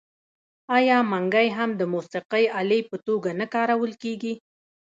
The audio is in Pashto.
آیا منګی هم د موسیقۍ الې په توګه نه کارول کیږي؟